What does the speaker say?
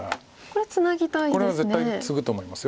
これツナぎたいですね。